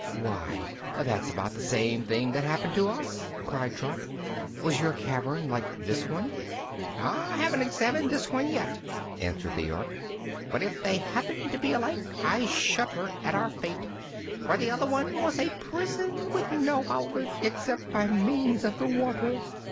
"Why, that's about the same thing that happened to us," cried Trot. "Was your cavern like this one?" "I haven't examined this one yet," answered the Ork; "but if they happen to be alike I shudder at our fate, for the other one was a prison, with no outlet except by means of the water.